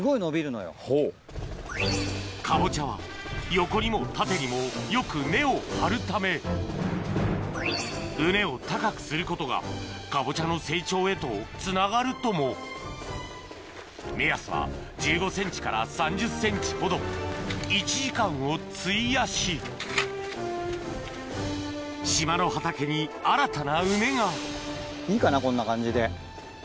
カボチャは横にも縦にもよく根を張るため畝を高くすることがカボチャの成長へとつながるとも目安は１５ｃｍから３０ｃｍほど１時間を費やし島の畑に新たな畝がいいかなこんな感じで。